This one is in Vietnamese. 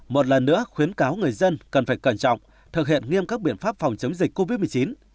một lần nữa khuyến cáo người dân cần phải cẩn trọng thực hiện nghiêm các biện pháp phòng chống dịch covid một mươi chín